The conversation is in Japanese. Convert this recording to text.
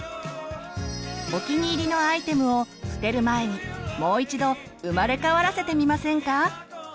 お気に入りのアイテムを捨てる前にもう一度生まれ変わらせてみませんか！